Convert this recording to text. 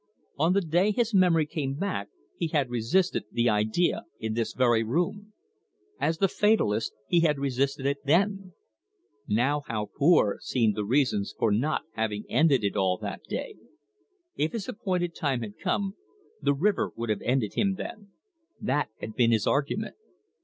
On the day his memory came back he had resisted the idea in this very room. As the fatalist he had resisted it then. Now how poor seemed the reasons for not having ended it all that day! If his appointed time had been come, the river would have ended him then that had been his argument.